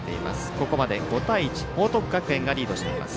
ここまで５対１報徳学園がリードしています。